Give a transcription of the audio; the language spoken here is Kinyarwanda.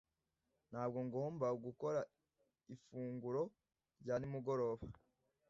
Ntabwo ngomba gukora ifunguro rya nimugoroba.